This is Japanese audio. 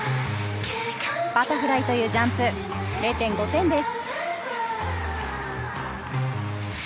バタフライというジャンプ０．５点です。